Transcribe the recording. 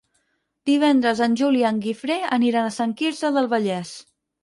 Divendres en Juli i en Guifré aniran a Sant Quirze del Vallès.